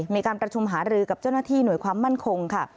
มีการประชุมหารือกับเจ้าหน้าที่หน่วยความมั่นคงค่ะ